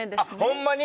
ホンマに？